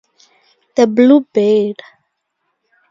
"The Blue Bird".